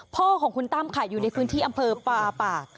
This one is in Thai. พ่อของคุณตั้มค่ะอยู่ในพื้นที่อำเภอปลาปาก